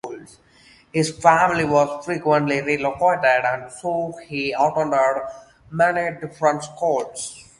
His family was frequently relocated and so he attended many different schools.